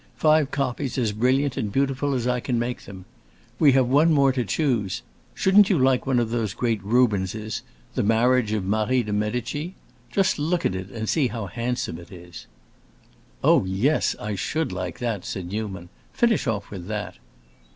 "Five copies as brilliant and beautiful as I can make them. We have one more to choose. Shouldn't you like one of those great Rubenses—the marriage of Marie de Médicis? Just look at it and see how handsome it is." "Oh, yes; I should like that," said Newman. "Finish off with that."